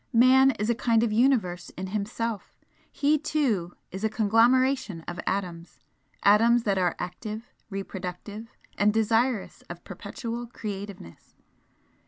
Man is a kind of Universe in himself he too is a conglomeration of atoms atoms that are active, reproductive, and desirous of perpetual creativeness.